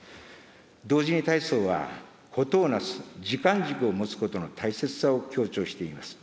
同時に太宗は、事を成す時間軸を持つことの大切さを強調しています。